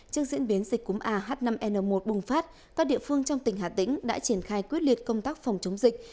trước diễn biến dịch cúm ah năm n một bùng phát các địa phương trong tỉnh hà tĩnh đã triển khai quyết liệt công tác phòng chống dịch